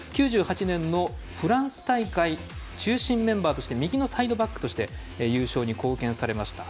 ９８年のフランス大会中心メンバーとして右のサイドバックとして優勝に貢献されました。